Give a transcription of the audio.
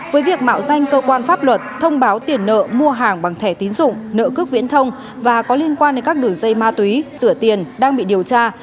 với việc mạo danh cơ quan pháp luật thông báo tiền nợ mua hàng bằng thẻ tín dụng nợ cước viễn thông và có liên quan đến các đường dây ma túy rửa tiền đang bị điều tra